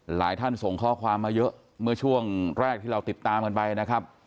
หลายท่านส่งข้อความมาเยอะเมื่อช่วงแรกที่เราติดตามกันไปนะครับ